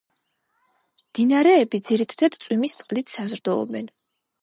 მდინარეები ძირითადად წვიმის წყლით საზრდოობენ.